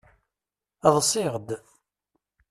Ḍṣiɣd.